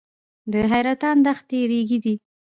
د حیرتان دښتې ریګي دي